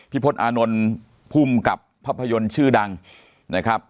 พจน์อานนท์ภูมิกับภาพยนตร์ชื่อดังนะครับ